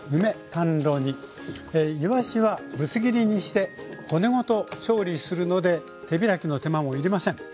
いわしはぶつ切りにして骨ごと調理するので手開きの手間もいりません。